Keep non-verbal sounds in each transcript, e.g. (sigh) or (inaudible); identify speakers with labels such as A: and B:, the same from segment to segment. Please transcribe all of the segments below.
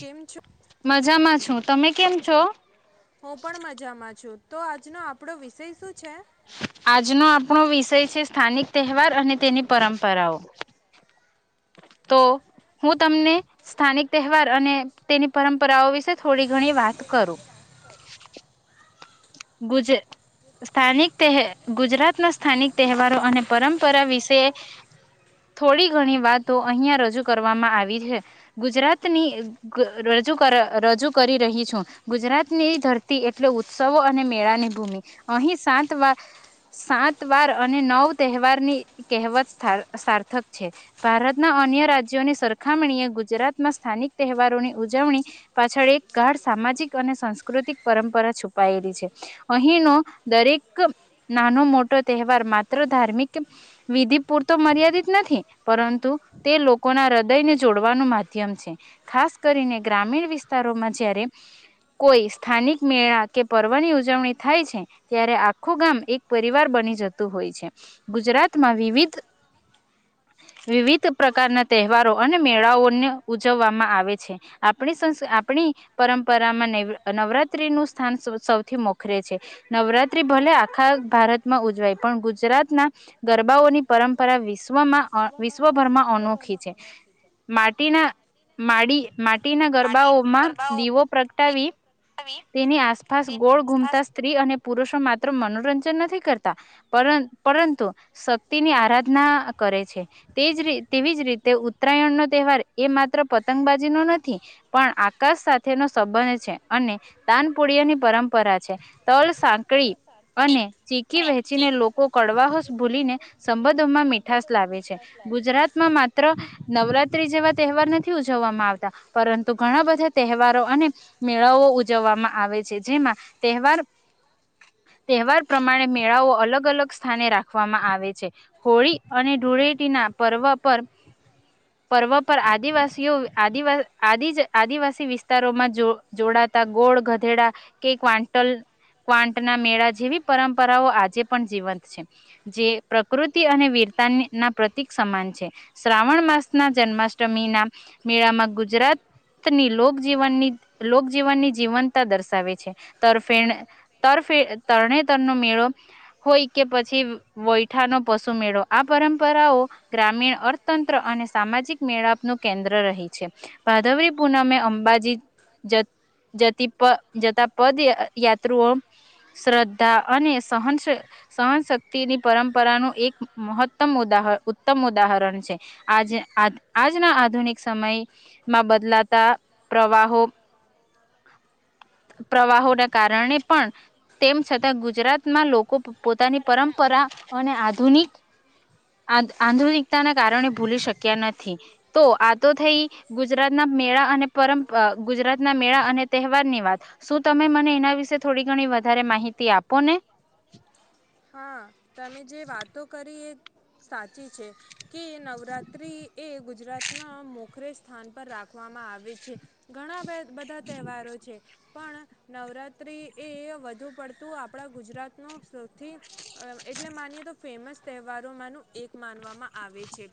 A: કેમ છો
B: મજામાં છું, તમે કેમ છો?
A: હું પણ મજામાં છું તો આજ નો આપણો વિષય શું છે?
B: આજ નો આપણો વિષય છે, સ્થાનિક તહેવાર અને તેની પરંપરાઓ. તો, હું તમને સ્થાનિક તહેવાર અને તેની પરંપરાઓ વિશે થોડી ઘણી વાત કરું. ગુજર, સ્થાનિક તે, ગુજરાતના સ્થાનિક તહેવારો અને પરંપરા વિશે, થોડી ઘણી વાતો અહિયાં રજૂ કરવામાં આવી છે, ગુજરાતની, રજૂ કર રજૂ કરી રહી છું, ગુજરાતની ધરતી એટલે ઉત્સવો ને‌મેળાની ભૂમિ, અહીં સાંતવા, સાત વાર અને નવ તહેવારની, કહેવત સાર્થ‌ સાર્થક છે, ભારતના અન્ય રાજ્યોની સરખામણીએ ગુજરાતમાં સ્થાનિક તહેવારોની ઉજવણી, પાછળ એક ગાઢ સામાજિક અને સાંસ્કૃતિક પરંપરા છુપાયેલી છે. અહીંનો દરેક નાનો મોટો તહેવાર માત્ર ધાર્મિક વિધિ પૂરતો મર્યાદિત નથી, પરંતુ તે લોકોના હૃદયને જોડવાનું માધ્યમ છે, ખાસ કરીને ગ્રામીણ વિસ્તારોમાં જયારે કોઈ સ્થાનિક મેળા કે પર્વની ઉજવણી થાય છે, ત્યારે આખું ગામ એક પરિવાર બની જતું હોય છે, ગુજરાતમાં વિવિધ- વિવિધ પ્રકારના તહેવારો અને મેળાઓને ઉજવવામાં આવે છે, આપણી સ્નષા આપણી પરંપરામાં નેવ નવરાત્રી નું સ્થાન સૌથી મોંઘુ છે રે છે નવરાત્રી ભલે આખા ભારતમાં ઉજવાય પણ ગુજરાતના ગરબાઓની પરંપરા વિશ્ વિશ્વમાં વિશ્વભરમાં અનોખી છે. માટીના માળી માટીના ગરબાઓમાં દીવો પ્રગટાવી તેની આસપાસ ગોળ ગુમ સ્ત્રી અને પુરુષો માત્ર મનોરંજન નથી કરતા પર પરંતુ શક્તિની આરાધના કરે છે, તેજ તેવી જ રીતે ઉત્તરાયણ નો તહેવાર એ માત્ર પતંગબાજીનો નથી પણ આકાશ સાથેનો સંબંધ છે અને દાનપુળિયાની પરંપરા તલ, સાંકળી અને ચીખી વહેચીને લોકો કડવાહોશ ભૂલીને સંબંધોમાં મીઠાસ લાવે છે. ગુજરાતમાં માત્ર નવરાત્રી જેવા તહેવાર નથી ઉજવવામાં આવતા, પરંતુ ઘણા બધા તહેવારો અને મેળાઓ ઉજવવામાં આવે છે, જેમાં તવાર તહેવાર પ્રમાણે મેળાઓ અલગ અલગ સ્થાને રાખવામાં આવે છે. હોળી અને ધૂળેટીના પર્વ પર પર્વ પર આદિવાસીઓ આદવા આ આદિવાસી વિસ્તારોમાં જો જોડાતા ગોળ ગધેડા કેક વા ક્વાંટના મેળા જેવી પરંપરાઓ આજે પણ જીવંત છે, જે પ્રકૃતિ અને વીરતા ના પ્રતિક સમાન છે. શ્રાવણ માસ ના જન્માષ્ટમીના મેળામાં ગુજરાતની લોકજીવનની લોકજીવનની જીવંતતા દર્શાવે છે. તરફેણ તર તરણેતરનો મેળો હોય કે પછી વયઠાનો પશુ મેળો આ પરંપરાઓ ગ્રામીણ અર્થતંત્ર અને સામાજિક મેળાનું કેન્દ્ર રહી છે. ભાદરવી પૂનમે અંબાજી જતી જતા પદયાત્રુઓ, શ્રદ્ધા અને સહન સહનશક્તિની પરંપરાનું એક મહત્તમ ઉદાહરણ ઉત્તમ ઉદાહરણ છે. આજ આજના આધુનિક સમયમાં બદલાતા પ્રવાહો પ્રવાહોના કારણે પણ તેમ છતાં ગુજરાતમાં લોકો પોતાની પરંપરા અને આધુનિક આધુનિકતાના કારણે ભૂલી શક્યા નથી, તો આ તો થઈ ગુજરાતના મેળા અને પરં ગુજરાતના મેળા અને તહેવાર ની વાત. શું તમે મને એના વિશે થોડી ઘણી વધારે માહિતી આપો ને?
A: હા. તમે જે વાતો કરી એ સાચી છે. કે નવરાત્રિ એ ગુજરાતમાં મોખરેશ સ્થાન પર રાખવામાં આવે છે. ઘણા બા બધા તહેવારો છે, પણ નવરાત્રી એ વધુ પડતું આપણા ગુજરાતનું થી એટલે માનીએ તો ફેમસ તહેવારોમાં ન એક માનવામાં આવે છે.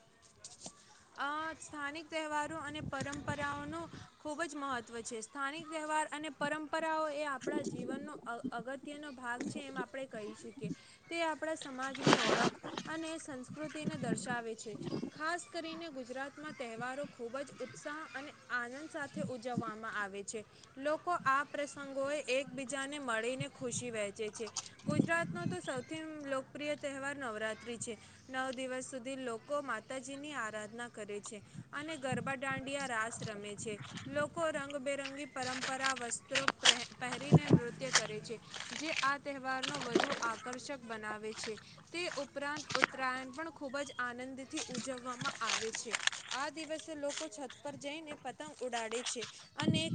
A: આ સ્થાનિક તહેવારો અને પરંપરાઓ ન ખૂબ જ મહત્વ છે. સ્થાનિક તહેવાર અને પરંપરા એ આપણા જીવનનો અગત્ય નો ભાગ છે, એમ આપડે કહી શકીએ. કે તે આપ આપણા સમાજની ઓળખ અને સંસ્કૃતિને દર્શાવે છે. ખાસ કરીને ગુજરાતમાં તહેવારો ખૂબ જ ઉત્સાહ અને આનંદ સાથે ઉજવવામાં આવે છે. લોકો આ પ્રસંગોએ એકબીજાને મળીને ખુશી વહે છે. ગુજરાત સૌથી લોકપ્રિય તહેવાર નવરાત્રી છે. નવ દિવસ સુધી લોકો માતાજીની આરાધના કરે છે અને ગરબા, દાંડિયા, રાસ રમે છે, લોકો રંગબેરંગી પરંપરા વસ્ત્રો પ પહેરીને નૃત્ય કરે છે. જે આ તહેવાર નો વધુ આકર્ષક બનાવે છે, તે ઉપરાંત ઉત્તરાયણ પણ ખૂબ જ આનંદથી ઉજવવામાં આવે છે. આ દિવસે લોકો છત પર જઈને પતંગ ઉડાડે છે અને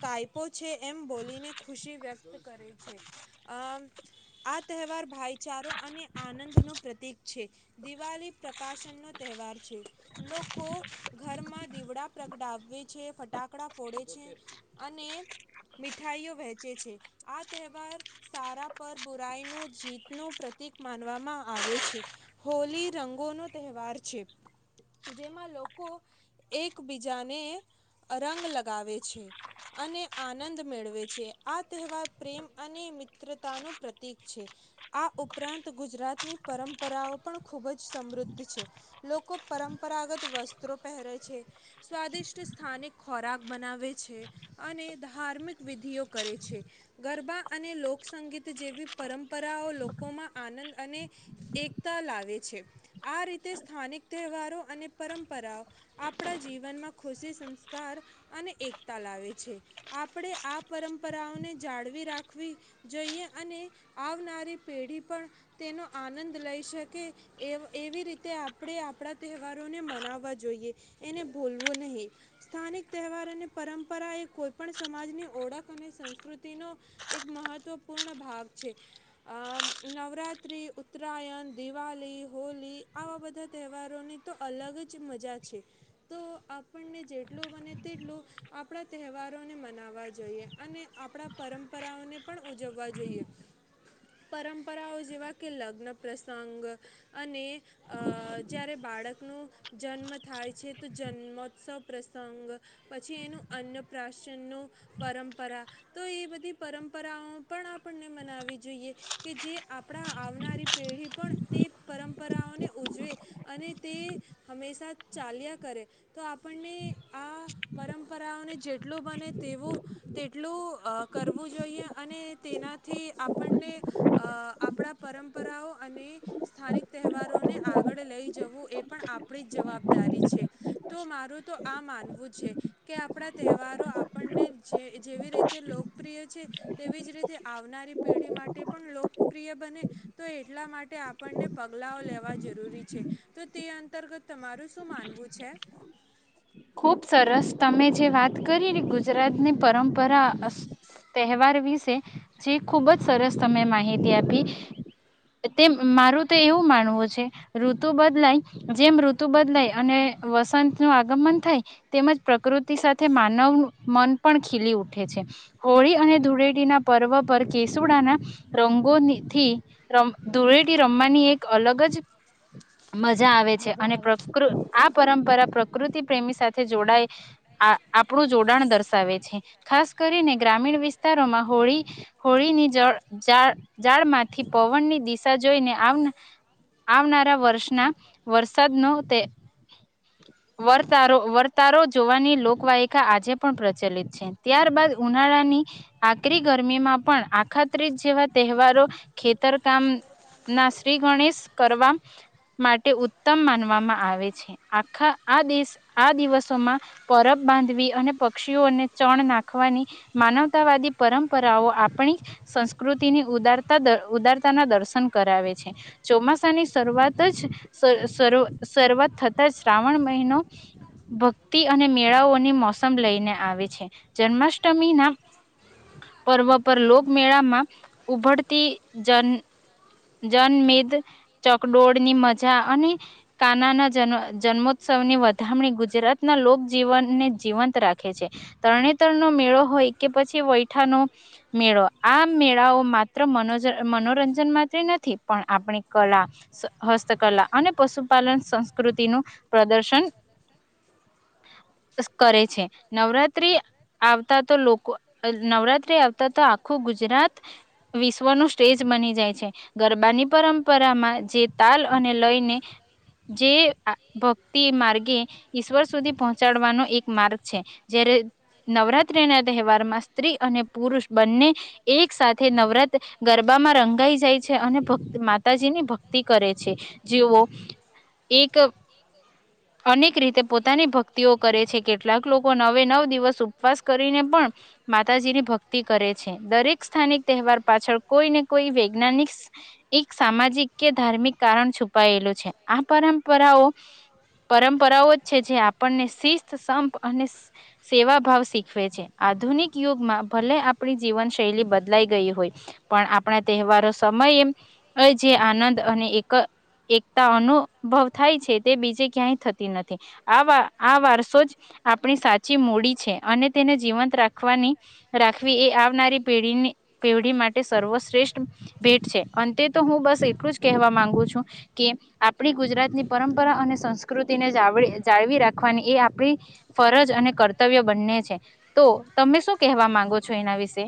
A: કાયપો છે, એમ બોલીને ખુશી વ્યક્ત કરે છે. આ તહેવાર ભાઈચારો અને આનંદ નું પ્રતીક છે. દિવાળી પ્રકાશન નો તહેવાર છે. લોકો ઘરમાં દીવડા પ્રગડાવે છે, ફટાકડા ફોડે છે, અને મીઠાઈઓ વહેંચે છે આ તહેવાર સારા પર બુરાઈ ન જીત નું પ્રતિક માનવામાં આવે છે. હોલી રંગો નો તહેવાર છે, જેમાં લોકો એકબીજાને રંગ લગાવે છે અને આનંદ મેળવે છે આ તહેવાર પ્રેમ અને મિત્રતા નું પ્રતિક છે, આ ઉપરાંત ગુજરાતની પરંપરાઓ પણ ખૂબ જ સમૃદ્ધ છે, લોકો પરંપરાગત વસ્ત્રો પહેરે છે, સ્વાદિષ્ટ સ્થાનિક ખોરાક બનાવે છે અને ધાર્મિક વિધિઓ કરે છે ગરબા અને લોકસંગીત જેવી પરંપરાઓ લોકોમાં આનંદ અને એકતા લાવે છે આ રીતે સ્થાનિક તહેવારો અને પરંપરાઓ આપણા જીવનમાં ખુશી, સંસ્કાર અને એકતા લાવે છે. આપણે આ પરંપરાઓને જાળવી રાખવી જોઈએ અને આવનારી પેઢી પણ તેનો આનંદ લઈ શકે એ એવી રીતે આપણે આપણા તહેવારોને મનાવવા જોઈએ એને ભૂલવું નહીં. સ્થાનિક તહેવાર અને પરંપરા એ કોઈપણ સમાજની ઓળખ અને સંસ્કૃતિનો એક મહત્ત્વપૂર્ણ ભાવ છે. આ નવરાત્રિ, ઉત્તરાયણ, દિવાલી, હોલી આવા બધા તહેવારોની તો અલગ જ મજા છે, તો આપણને જેટલું બને તેટલું આપણા તહેવારોને મનાવવા જોઈએ અને આપણા પરંપરાઓને પણ ઉજવવા જોઈએ. પરંપરાઓ જેવા કે લગ્ન પ્રસંગ અને અ જ્યારે બાળક ન જન્મ થાય છે, તો જન્મોત્સવ પ્રસંગ પછી એનું અન્નપ્રાશન ન પરંપરા તો એ બધી પરંપરાઓ પણ આપણને બનાવી જોઈએ કે જે આપણા આવનારી પેઢી પણ તે પરંપરાઓને ઉજવે અને તે હંમેશા ચાલ્યા કરે તો આપણને આ પરંપરાઓને જેટલું બને તેવું તેટલું કરવું જોઈએ અને તેના થી આપણને આપણા પરંપરાઓ અને સ્થાનિક તહેવારોને આગળ લઈ જવું એ પણ આપણી જ જવાબદારી છે તો મારું તો આ માનવું છે કે આપણા તહેવારો આપણને જે જેવી રીતે લોકપ્રિય છે તેવી જ રીતે આવનારી પેઢી માટે પણ લોકપ્રિય બને તો એટલા માટે આપણને પગલાઓ લેવા જરૂરી છે, તો તે અંતર્ગત તમારું શું માનવું છે?
B: ખુબ સરસ તમે જે વાત કરીને ગુજરાતની પરંપરા અફ તહેવાર વિશે જે ખુબ જ સરસ તમે માહિતી આપી. તેમ મારું તો એવું માનવું છે ઋતુ બદલાય જેમ ઋતુ બદલાય અને વસંત નું આગમન થાય તેમજ પ્રકૃતિ સાથે માનવ મન પણ ખીલી ઉઠે છે. હોળી અને ધૂળેટીના પર્વ પર કેસુડાના રંગોથી રમ ધૂળેટી રમવાની એક અલગ જ મજા આવે છે અને પ્રકૃ આ પરં (unintelligible) પરા પ્રકૃતિ ડ આપણું જોડાણ દર્શાવે છે ખાસ કરીને ગ્રામીણ વિસ્તારોમાં હોળી હોળીની જાળમાંથી પવનની દિશા જોઈને આવનારા વર્ષના વરસાદનો તે વ વર્તારો જોવાની લોકવાયકાા આજે પણ પ્રચલિત છે ત્યારબાદ ઉનાળાની આકરી ગરમીમાં પણ આખાત્રીજ જેવા તહેવારો ખેતર કામ ના શ્રી ગણેશ કરવા માટે ઉત્તમ માનવામાં આવે છે આખા આ દેશ આ દિવસોમાં પરબ બાંધવી અને પક્ષીઓને ચણ નાખવાની માનવતાવાદી પરંપરાઓ આપણી સંસ્કૃતિની ઉદારતા ઉદારતાના દર્શન કરાવે છે ચોમાસાની શરૂઆત જ શરૂઆત થતા જ શ્રાવણ મહિનો ભક્તિ અને મેળાઓની મોસમ લઈને આવે છે જન્માષ્ટમી ના પર્વ પર લોકમેળામાં ઉભરતી જન જનમેદ ચકડોળની મજા અને કાના ના જ જન્મોત્સવની વધામણી ગુજરાત ના લોક જીવનને જીવંત રાખે છે તરણેતર નો મેળો હોય કે પછી વૈઠાનો મેળો આ મેળાઓ માત્ર મનોરંજનમાં નથી પણ આપણી કલા હસ્તકલા અને પશુપાલન સંસ્કૃતિનું પ્રદર્શન બસ કરે છે. નવરાતિ આવતા તો લોકો નવરાત્રી આવતા તો આખું ગુજરાત વિશ્વ ન સ્ટેજ બની જાય છે. ગરબાની પરંપરામાં જે તાલ અને લઈને જે ભક્તિ માર્ગે ઈશ્વર સુધી પહોંચાડવાનો એક માર્ગ છે જ્યારે નવરાત્ર્રી ના તહેવારમાં સ્ત્રી અને પુરુષ બંને એક સાથે નવરાત્ર ગરબામાં રંગાઈ જાય. છે અને ભક્ માતાજીની ભક્તિ કરે છે જેઓ એક અનેક રીતે પોતાની ભક્તિઓ કરે છે કેટલાક લોકો નવે નવ દિવસ ઉપવાસ કરીને પણ માતાજીની ભક્તિ કરે છે દરેક સ્થાનિક તહેવાર પાછળ કોઈને કોઈ વૈજ્ઞાનિક એક સામાજિક કે ધાર્મિક કારણ છુપાયેલું છે આ પરંપરાઓ પરંપરાઓ જ છે જે આપણને શિસ્ત સંપ અને સેવાભાવ શીખવે છે આધુનિક યુગમાં ભલે આપણી જીવનશૈલી બદલાઈ ગઈ હોય પણ આપણા તહેવારો સમયે જે આનંદ અને એક એકતા અનુભવ થાય છે તે બીજે ક્યાંય થ નથી આ આ વારસો જ આપણી સાચી મૂડી છે અને તેને જીવંત રાખવાની રાખવી એ આવનારી પેઢીની પેી માટે સર્વશ્રેષ્ઠ ભેટ છે અંતે તો હું બસ એટલું જ કહેવા માંગુ છું કે આપણી ગુજરાતની પરંપરા અને સંસ સંકૃતિને જાળવી રાખવાની એ આપણી ફરજ અને કર્તવ્ય બને છે તો તમે શું કહેવા માંગો છો એના વિશે.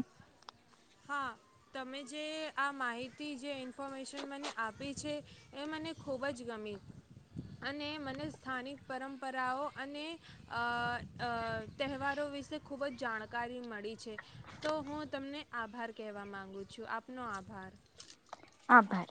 A: હા તમે જે આ માહિતી જે ઇન્ફોર્મેશન મને આપી છે એ મને ખૂબ જ ગમ અને મને સ્થાનિક પરંપરાઓ અને તહેવારો વિશે ખૂબ જ જાણકારી મળી છે. તો હું તમને આભાર કહેવા માગું છું આપનો આભાર.
B: આભાર.